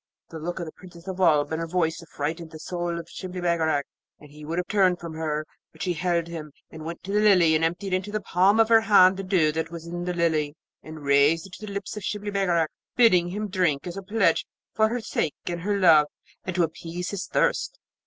The look of the Princess of Oolb and her voice affrighted the soul of Shibli Bagarag, and he would have turned from her; but she held him, and went to the Lily, and emptied into the palm of her hand the dew that was in the Lily, and raised it to the lips of Shibli Bagarag, bidding him drink as a pledge for her sake and her love, and to appease his thirst.